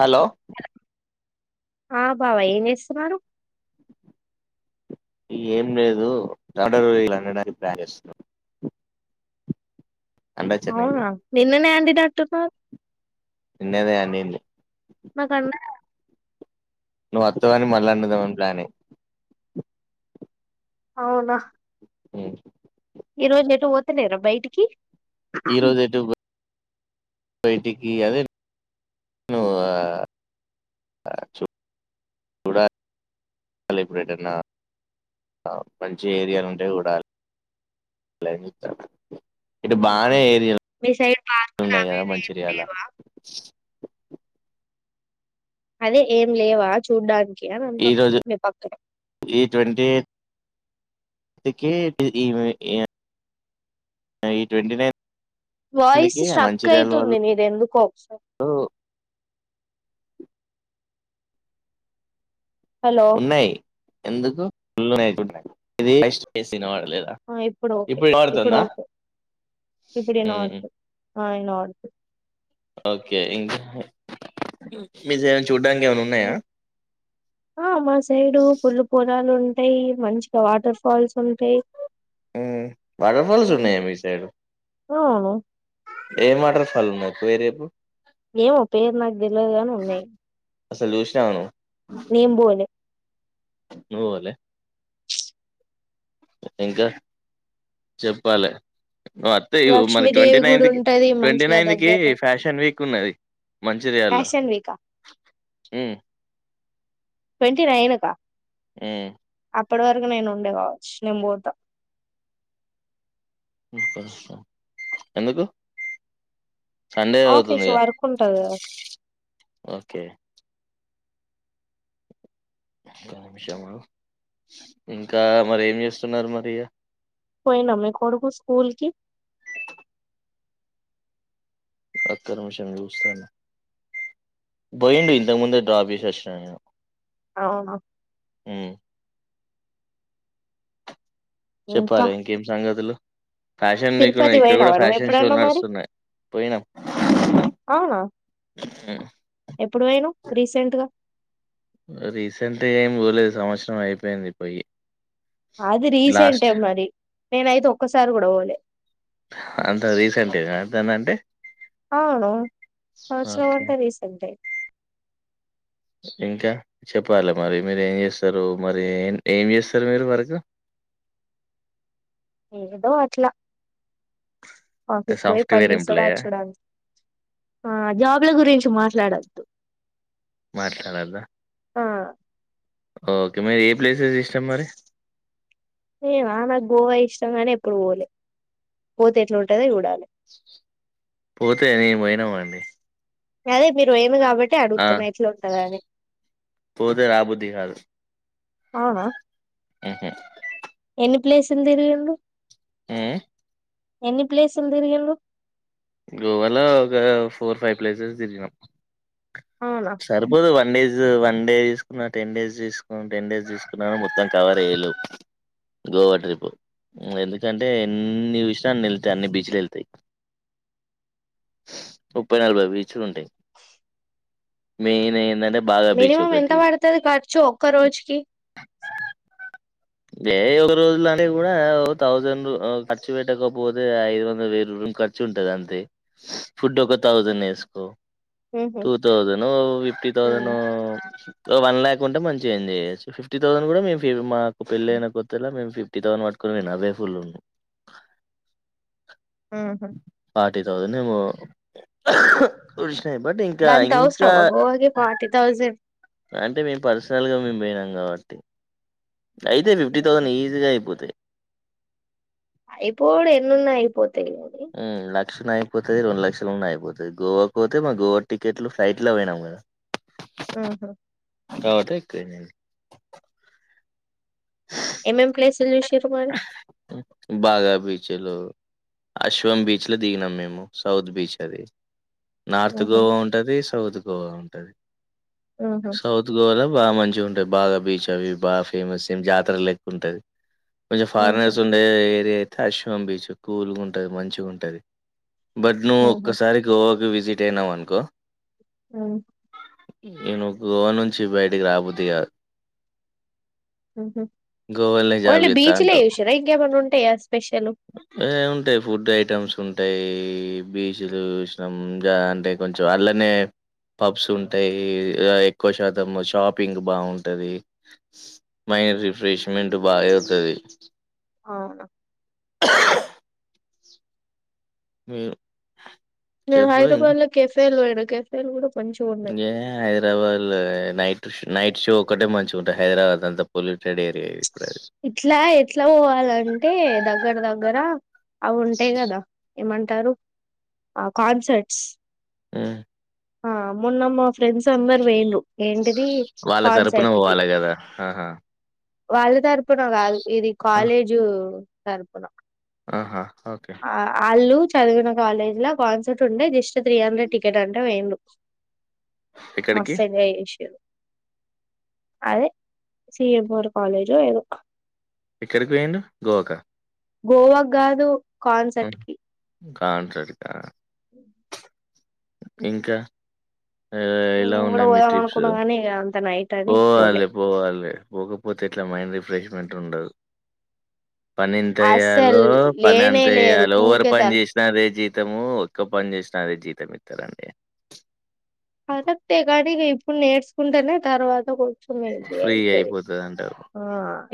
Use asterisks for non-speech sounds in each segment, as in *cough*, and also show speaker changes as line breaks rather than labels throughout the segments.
Hello
ఆ బావ ఏం చేస్తున్నారు
ఏం లేదు *inaudible* చేస్తు చెన్నైలో
అవునా నిన్ననే అంటిడి డాక్టర్ పార్
నిన్ననే అనిండు
నాకు అన్న
నువ్వు వత్తవని మళ్ళ *inaudible* ప్లానింగ్
అవునా
మ్
ఈ రోజు ఎటు పోతలేర బయటికి
ఈ రోజు ఎటు బయిటికి అదే ఆ చూ చూడలీ అసలు ఇప్పుడు ఏదన్నా మంచి ఏరియాలు ఉంటే కూడా ఇటు బానే
ఉమ్.
ఏరి
మీ సైడ్ పార్కులు
ఉన్నాయి
అవి
కదా
ఇవి ఏం
మంచిర్యాల
లేవా అదే ఏం లేవా చూడ్డానికి
ఈ
ఉంటున్న
రోజు
మీ పక్కనా
అందుకే ఈ ట్వంటీ నైన్
వాయిస్ స్ట్రక్ అయితుంది
వాళ్ళు
నీది ఎందుకో హలో
ఉన్నాయి ఎందుకు *unintelligible* ఇనపడది
ఆ ఇప్పుడు ఓకే ఇప్పుడు ఓకే ఇప్పుడ ఇనా
హ్మ్.
వడు ఆ ఇనపడుతుంది
ఓకే ఇంకా చూడ్డానికి ఏమైనా ఉన్నాయా?
ఆ మా సైడు ఫుల్ పొలాలు ఉంటాయి మంచిగా వాటర్ ఫాల్స్ ఉంటాయి
వాటర్ఫల్స్ ఉనయా మీ సైడ్
ఆ అవును
ఏ వాటర్ ఫాల్స్ ఉన్నాయ్ పేరు చెప్పు
ఏమో పేరు నాకు తెల్వదు గాని ఉన్నాయి
అసలు చూసినవా నువు
నేంబోలే
నువ్వు పోలే ఇంకా చెప్పాలే అత్తే ఇ మరి ట్వంటీ
లక్ష్మీదేవి గుడి
నైన్త్ కి
ఉంటది
ట్వంటీ
మంచిగా
నైన్త్ కి
దగ్గరనే
ఫ్యాషన్ వీక్ ఉన్నది మంచింర్యాల్ లో
ఫ్యాషన్ వీకా ట్వంటీ నైనుకా
ఊ
అప్పటి వరకు నేను ఉండ కావచ్చు నేను పోత
ఎందుకు సండే
ఆఫీస్
అవుతుంది గా
వర్క్ ఉంటది కదా
ఓకే ఒక నిమిషము ఆగు ఇంకా మరీ ఏం చేస్తున్నారు మరి
పోయిండ మీ కొడుకు స్కూల్ కి
అకనిమిషం చూస్తాను పోయిడు ఇంతకు ముందే డ్రాప్ చేసచ్చిన నేను
అవును
హ్మ్.
ఇంకా
చెప్పలే ఇంకేం సంగతులు ఫ్యాషన్ మీకున్నా
తిరుపతి
ఇక్కడ కూడా
పోయినావా నువ్వు
ఫ్యాషన్
ఎప్పుడన్నా
షోలు
మరి
నడుస్తున్నాయి పోయినా
అవునా ఎప్పుడు పోయినావ్ రీసెంట్గా
రీసెంట్గా ఏం పోలేదు సంవత్సరం అయిపోయింది పోయి
అది రీసెంట్
లాస్ట్
ఏ మరి నేనయితే ఒక్కసారి కూడా పోలే
అంత రీసెంట్ గాన ఎంతందంటే
అవును సంవత్సరం అంటే రీసెంట్ ఏ
ఇంకా చెప్పాలి మరి మీరు ఏం చేస్తారు మరి ఏం ఏం చేస్తారు మీరు వర్క్
*unintelligible* ఏదో అట్లా ఆఫీస్ పోయి పని
సాఫ్ట్వేర్
చేసుడా
ఎంప్లాయా?
అచ్చుడ అంతే ఆ జాబ్ల గురించి మా ట్లాడద్దు
మాట్లాడద్ద
ఆ
ఓకే మీరే ఏ ప్లేసెస్ ఇష్టాం మరి
మీ మా నాకు గోవా ఇష్టంగానే ఎప్పుడు పోలే పోతే ఎట్లుంటందో చూడాలి
పోతే నేం పోయినమండి
అదే మీరు ఏమి కాబట్టి అడుగుతున్న ఇట్లా ఉంటందని
పోతే రాబుద్ది కాదు
అవునా
ఉహు
ప్లేస్ ఎంతిరిగిండ్రు
ఉమ్మ్
ఎన్ని ప్లేస్లు తిరిగిళ్లు
గోవాల ఒక ఫోర్ ఫైవ్ ప్లేసెస్ తిరిగినాం
అవునా
సరిపోదు వన్ డేజ్ వన్ డే తీసుకున్నా టెన్ డేస్ తీసుకు టెన్ డేస్ తిసుకున్నా మొత్తం కవర్ చెయ్యలేవు గోవా ట్రిప్పు ఎందుకంటే ఎన్ని చూసినా అన్ని ఎళ్తాయి అన్ని బీచ్లు ఎళ్తాయి ముప్పై నలబై బీచ్లూంటాయి మెయిన్ ఏందంటే
మినిమమం ఎంత పడుతది ఖర్చు ఒక్క రోజుకి
వే ఒగా రోజులనేే కూడా ఒ తౌసండ్ ఖర్చు పెట్టకపోతే ఐదు వంద వే రూమ్ ఖర్చు ఉంటది అంతే ఫుడ్ ఒక థౌసండ్ ఎసుకో
ఉహు
టూ థౌసేండ్ నో ఫిఫ్టీ తౌసనో
ఉహు
ఓ వన్ ల్యాక్ ఉంటే మంచిగా ఎంజాయ్ చేయ్యచ్చు ఫిఫ్టీ థౌండ్ మే మాకు పెళ్ళ అయిన కొత్తలా మేం ఫిఫ్ టి థౌసండ్ పట్టుకొని పోయిన అవ్వే ఫుల్
ఆహా
ఫార్టీ థౌజండ్ ఏమో ఒడష్ నై బట్ ఇంకా
గంత
ఇంకా
అవసరమా గోవాకి ఫార్టీ థౌజండ్
అంటే మేము పర్సనల్ గా మేము బోయినాం కాబట్టి అయితే ఫిఫ్టీ
ఉహు
థౌసండ్ ఈజీగా అయిపోతాయి
అయిపోడు ఎన్నున్నా అయిపో
ఉమ్ లక్ష ఉన్న అయిపోతది రెండు లక్షలున్నా అయిపోతది గోవాకు పోతే మా గోవా టికెట్లు ఫ్లైట్ల పోయినాం కదా
ఉహు
కావట్టే ఎక్కువైన్నాయి
ఎం ఎం ప్లేస్లు చూషిరు మరి
చేలో అశ్వం బీచ్ ల దిగినం మేము సౌత్ బీచ్ అది నార్త్
ఉహు
గోవా ఉంటది సౌత్ గోవా ఉంటది
ఉహు
సౌత్ గోవాల బాగా మంచిగా ఉంటాయి బాగా బీచ్ అవి బాగా ఫేమస్ ఏం జాతర లెక్క ఉంటాది కొంచెం
ఉహు
ఫారినర్స్ ఉండే ఏరియా అయితే అశ్వం బీచ్ కూల్గా ఉంటది మంచిగా ఉంటది బట్ నువ్వు
ఉహు
ఒక్కసారి గోవాకి విజిట్ అయినావనుకో
ఉమ్
ఇగా నువ్ గోవా నుంచి బయటికి రాబోద్దిగాదు
ఉహు
గోవల్నే జాబ్
ఓన్లీ
చేత్తా
బీచ్లే
అంటావ్
చూసిర్రా ఇంకేమన్నా ఉంటాయా స్పెషల్
ఏముంటాయ్ ఫుడ్ ఐటమ్స్ ఉం అంటే బీచ్లు చూసినం అంటే కొంచెం అల్లనే పబ్స్ ఉంటాయి ఎక్కువ శాతం షాపింగ్ బాగుంటది మైండ్ రిఫ్రెష్మెంట్ బాగా అయితది
అవున
మీర్
నేను
చెప్పు ఇంకా
హైదరాబాద్ లో కెఫేలు పోయిన కెఫేలు కూడా మంచిగా ఉన్నాయి
ఇంకే హైదరాబాద్ లో నై నైట్ షో ఒకటే మంచిగా ఉంటంది హైదరాబాద్ అంతా పొల్యూటెడ్ ఏరియాయిది
ఇట్లా ఎట్లా పోవాలంటే దగ్గర దగ్గర అ ఉంటాయి కదా ఏమంటారు ఆ కాన్సర్ట్స్
ఆ
ఆ మొన్న మ ఫ్రెండ్స్ అందరు వెేఇల్లు ఏం టిది
వాళ్ళ తరపున
కంసార్టుకి
పోవాలే కదా ఆహా
వాళ్ళ తరపున కాదు ఇది
ఆ
కాలేజు తరపున
ఆహా ఓకే
వాళ్ళు చదివిన కాలేజ్ లో కాన్సర్ట్ ఉండే జిస్ట్ త్రీ హండ్రెడ్ టికెట్ అంటే పొఇండ్రు
ఎక్కడికి
మస్తు ఎంజాయ్ చేసిర్రు అదే సిీఎంర్ కాాలేజో ఏదో
ఇక్కడికి పోయిండు గోవాకా
గోవాకు కాదు కాన్సెర్ట్ కి
కంసార్టకా
అ
ఇంకా ఏ ఎలా
నేను కూడా
ఉన్నాయి
పోదాం
మీ ్రిప్స్
అనుకున్నా గానీ ఇగ అంత నైట్ అని పోలే
పోవాలే పోవాలే పోకపోతే ఎట్లా మైండ్ రిఫ్రెష్మెంట్ ఉండదు పని ఎంత
అస్సలు
వయ్యాలో పని
లేనే
అంతె
లేదు
చెయ్యాలె ఓవర్
ఊకే
పని
తల
చేసిన అదే జి తము ఒక్క పని చేసినా అదే జీతం ఇస్తారండి
కర్రెక్ట్ ఎ కానీ ఇగ ఇప్పుడు నేర్చుకుంటేనే తర్వాత కొ చం ఈజీ
ఫ్రీ
అయితది
అయిపోతదంటారు.
ఆ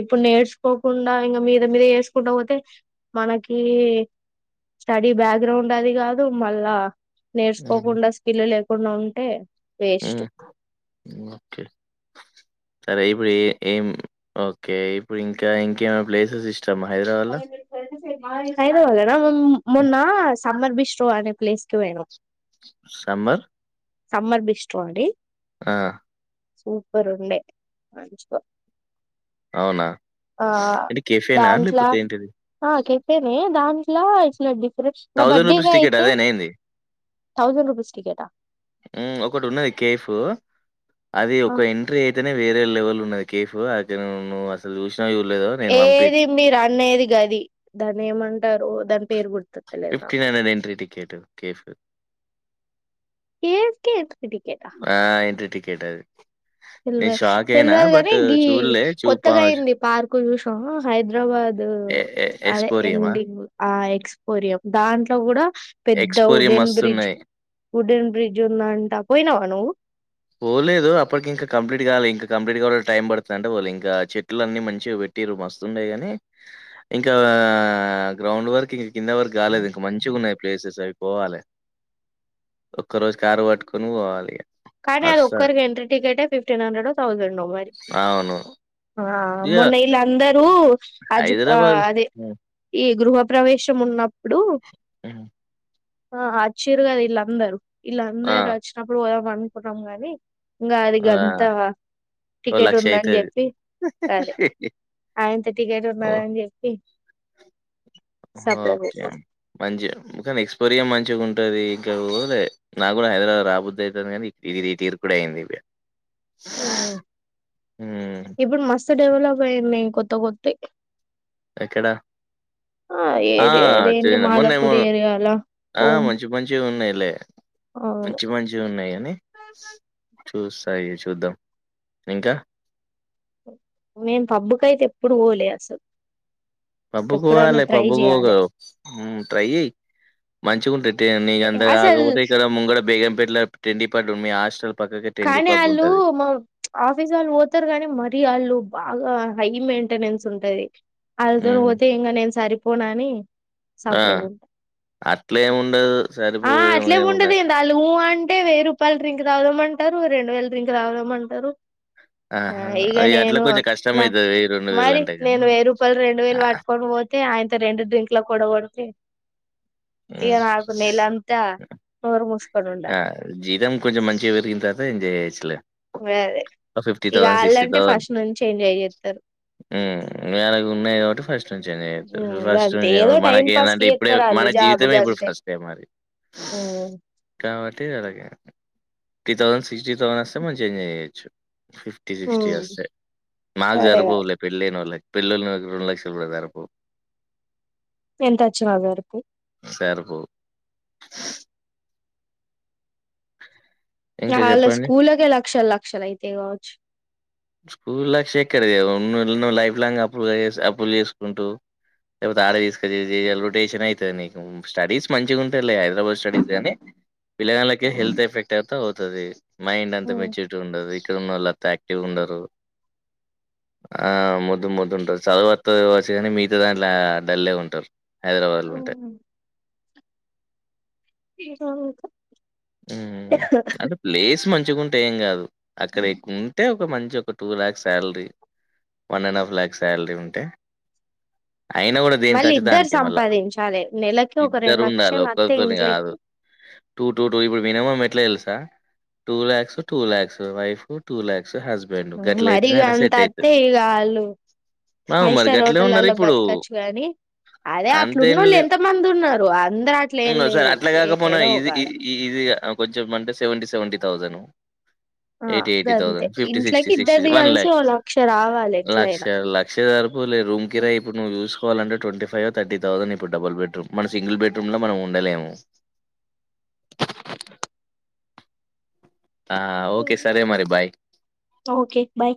ఇప్పుడు నేర్చుకోకుండా ఇంగ మీద మీద వేసుకుంటా పోతే మనకి స్టడీ బ్యాక్ గ్రౌండ్ అది కాదు మళ్ళా నేర్చుకోకుండా స్కిల్ లేకుండా ఉంటే
హు
వేస్ట్
ఓకే సరే ఇప్పుడు ఏ ఏం ఓకే ఇప్పుడు ఇంకా ఇంకేమై ప్లేసెస్ ఇస్ ష్టం హైదరాబాద్ ల
హైదరాబాద్ లన మొన్న సమ్మర్ బిష్్రో అనే ప్లేస్కి పోయినం
సమ్మర్
సమ్మర్ బిస్ట్రిడి
ఆ
సూపర్ ఉంది మంచిగా
అవునా?
ఆ
అంటే కెఫేనా?
దాట్లా
లేపోతే ఏంటిది?
ఆ కేపెనే దాన్ ట్ల ఇట్లా డిఫరెంట్ నా
రూపీస్ టికెట్
బర్త్డేకైతే
అదేనేంది?
థౌసండ్ రూపీస్ టికెట్ ఆ
హు ఒకటి ఉన్నది కేఫ్ అది
ఆ
ఒక ఎంట్రీ అయితేనే వేర్ లెవెల్ ఉన్నది కేఫ్ అక్కడ నువ్ అసలు చూ
ఏది మీరు అనేది గది దాన్ని ఏమంటారు దాని పేరు గుర్
fifteen hundred entry ticket cafe
ఏఫ్ కేక్
ఆ ఎంట్రీ టికెట్ అది నేను
తెల్వద్
షాక్ అయినా.
తెల్వద్
బట్
గని గి
చూడలే. చూపా
కొత్తగా అయింది పార్కు చూసినవా హైదరాబాద్
ఎ ఎ
అదే
ఎక్స్‌పోరియమా?
ఎండింగ్ ఆ ఎక్సపోరియో దాంట్ల కూడా పెద్ద ఉడెన్ బ్
సున్నాై
వుడెన్ బ్రిడ్జ్ ఉందంటా పోయినావా నువ్వు
పోలేదు అప్పటికి ఇంకా కంప్లీట్ కావాలి ఇంకా కంప్లీట్ కావాలి టైం పడుతది అంటే పోలే ఇంక చెట్లు అన్నీ మంచిగా టీర్రు మస్తుండే కానీ ఇంకా గ్రౌండ్ వర్క్ ఇంక కింద వర్క్ కాలేదు ఇంక మంచి వున్నాయి ప్లేసెస్ అవి పోవాలే ఒక్క రోజు కారు పట్టుకొని పోవాలి ఇగ
కానీ అది ఒక్కరికి ఎంట్రీ టికెటే ఫిఫ్టీన్ హండ్రెడో థౌజండో మరి
అవును.
ఆ
ఇగ
మొన్న ఇలందరు అజ్ ఆ
హైదరాబాద్‌లో
అదే
హ్మ్.
ఈ గృహ ప్రవేశం ఉన్నప్పుడు
మ్మ్
ఆ అచ్చిరు కదా వీళందరూ
ఆ!
వీళ్ళందరు వచ్చినప్పుడు పోదాం అనుకున్నాం గాని ఇంగా అది
ఆ!
గంత
ఓ
టికెట్
లక్ష
ఉందని
అయితది.
చెప్పి అదే ఆయంత టికెట్
ఓహ్!
ఉన్నాదని చెప్పి
ఓకే
సప్పుడేక
మంచి కాని ఎక్స్పోరియా మంచిగా ఉంటది ఇంకా పోలే నాకూడా హైదరాబాద్ రాబుద్ది అయితుంది కానీ ఇది తీరు కూడా అయింది ఇవే
మ్మ్ ఇప్పుడు మస్తు డెవలప్ అయింది కొత్త కొత్తయ్
ఎక్కడ ఆ
ఏరి అదేంటి
చేన మొన్నేమో
మాదాపూర్ ఏరియాల
ఆ
కోం
మంచి మంచివి ఉన్నాయిలే
అవును
మంచి మంచి ఉన్నాయి అని చూస్తాయి చూద్దాం ఇంకా
మేం పబ్బుకైతే ఎప్పుడు పోలే అసలు ఎప్పుడన్నా
పబ్బుకుపోవాలే
ట్రై
పబ్బుకోకు
చేయాలె
మ్మ్ ట్రై చేయ్ మంచిగుంటది టే నీకంత
అసల్
కాకపోతే ఇక్కడ ముంగడ బేగంపేట్ల తిండి పట్ ఉన్నాయ్ హాస్టల్ పక్కకే టెండి
కానీ
పబ్
ఆళ్ళు
ఉంటది
మా ఆఫీస్ ఆళ్ళు పోతారు కానీ మరీ ఆళ్ళు బాగా హై మెయింటెనెన్స్ ఉంటది అల్లతోనా
మ్
పోతే ఇంకా నేను సరిపోనాని
ఆ
సపురేట్
అట్లేమి ఉండదు
ఆ
సరిపోయే
అట్లేం ఉండది
ఏముండదు
ఆళ్లు వు అంటే వెయ్యి రూపాయలు డ్రింక్ తాగుదాంమం టారు రెండు వేల డ్రింక్ తాగుదమంటారు ఆ
ఆహా
ఇగ
అది అట్లా
నేను
కొంచెం
నా
కష్టమైతది వెయ్యి రెండు వేలు
మరి
అంటే కాని
నేను వెయ్యి రూపాయలు రెండు వేలు పట్టుకోని పోతే ఆయనతో రెండు డ్రింక్లకు కూడా పడితే ఇగ
మ్
నాకు నెలంతా నోరు ముష్
ఆ జీతం కొంచెం మంచిగా పెరిగినా తర్వాత ఎంజాయ్ చేయొచ్చు లే
అదే ఇక ఆళ్ళంటే ఫస్ట్ నుంచి ఎంజాయ్ ఎంజాయ్ చేత్తారు
హ్మ్మ్ వాళ్ళకి ఉన్నాయి కాబట్టి ఫస్ట్ నుంచి ఎంజాయ్
హ్మ్
చేత్తారు ఫస్ట్
గంతే
నుంచే
ఏదో టైం
మనకి
పాస్ కి
ఏంటంటే ఇప్పుడే
చేత్తరు
మన కి జీవితమే ఇప్పుడు ఫస్ట్ టైమ్ మరి
మ్మ్
కాబట్టి అలాగే ఫిఫ్టీ థౌసండ్ సిక్స్టీ థౌసండ్ వస్తే మంచిగా ఎంజాయ్ చేయొచ్చు ఫిఫ్టీ సిక్స్టీ
హ్మ్
వస్తే మాకు
అదేగా
సరిపోవులే పెళ్ళయిన వోళ్ళకి పిల్లలున్నోలకి రెండు లక్షలు కూడా సరిపోవు
ఎంత వచ్చిన సరిపోవ్
సరిపోవు ఇంకా
ఇగ ఆళ్ళ
జెప్పండి.
స్కూల్లకే లక్షలు లక్షలు అయితాయి కావచ్చు
స్కూలాక్ సెక్కేరచేయవం నువ్ నువ్ లైఫ్ లాంగ్ అప్పుగాచేసి అప్పులు చేసుకుంటూ లేకపోతే ఆడ తీసుకొచ్చాలి రొటేషన్ అయితాది నీకు స్టడీస్ మంచిగా ఉంటాలే హైదరాబాద్ స్టడీస్ గానీ పిల్లగాళ్లకి హెల్త్ ఎఫెక్ట్ అయితే అవుతది మైండ్ అంత
హ్మ్
మెచ్యూరిగా ఉండదు ఇక్కడ ఉన్నోళ్ళు అంత యాక్టివ్ ఉండరు ఆ మోద్దు మోద్దు ఉంటారు చదువు వత్తాది కావచ్చ కానీ మిగతా దాంట్లా డల్లే ఉంటారు హైదరాబాద్లో ఉంటే
ఇంకా నాతో
హ్మ్ అంటే ప్లేస్ మం చిగుంటే ఏంకాదు అక్కడ ఎక్ ఉంటే ఒక మంచి ఒక టూలక్ష్ salary one and half lakh salary ఉంటే అయినా కూడా దేని
మళ్ళీ
ఖర్చు
ఇద్దరు
దానికే మళ్ళా
సంపాదించాలే నెలకి ఒక రెండు
ఇద్దరు ఉండాలా
లక్షలు అత్తే
ఒకళ్ళతోని కాదు
ఇంట్లకి
టు టు టు ఇప్పుడు, మినిమం ఎట్ల తెలుసా, two lakhs two lakhs, wife కు టు ల్యాక్,
మ్మ్ మరి గంతా అత్తే ఇగ ఆళ్ళు,
ఆ!
ఫైవ్
మరి
స్టార్
గట్లే
హోటలల్లొ
ఉన్నరిప్పుడు.
బతకచ్చు గాని అరే
అంతేం
అట్లున్నొళ్ళు
లేదు
ఎంత మంది ఉన్నారు అందరూ అట్లేం లేరు ఏడో ఒకాడ,
ఈ ఈజీగ అ కొంచెం అంటె, సెవెంటి సెవెంటి థౌజను
*inaudible* ఆ గంతె,
సిక్స్టీ
ఇంట్లకి
సిక్స్టీ
ఇద్దరిది
వన్
కలిసి
ల్యాక్
ఓ లక్ష రావాలె ఎట్లయిన,
అంటె, రూమ్ కిరాయ్ ఇప్పుడు నువ్ juice *unintelligible* twenty five thirty thousand ఇప్పుడ్ డబల్ బెడ్ రూమ్, మన సింగిల్ బెడ్రూమ్ లో మనం ఉండలేము. మాటలు అర్థం కాలేదు ఆ ఓకె సరె మరి బాయ్,
ఓకే బాయ్